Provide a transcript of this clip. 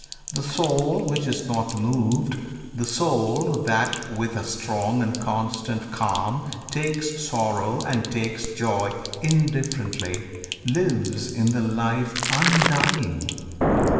The soul which is not moved, The soul that with a strong and constant calm Takes sorrow and takes joy indifferently, Lives in the life undying!